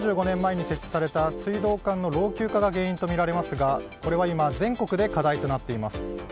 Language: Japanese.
４５年前に設置された水道管の老朽化が原因とみられますがこれは今全国で課題となっています。